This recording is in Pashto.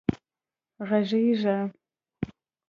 غږېږه